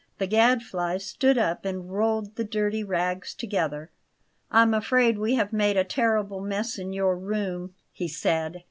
The Gadfly stood up and rolled the dirty rags together. "I'm afraid we have made a terrible mess in your room," he said.